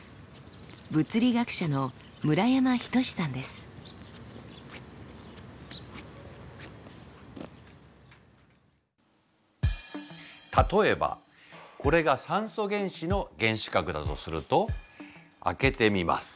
物理学者の例えばこれが酸素原子の原子核だとすると開けてみます。